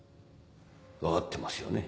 分かってますよね？